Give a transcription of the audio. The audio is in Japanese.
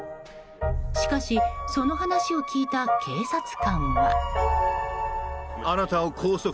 しかし、その話を聞いた警察官は。